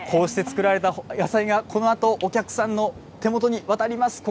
こうして作られた野菜が、このあと、お客さんの手元に渡ります。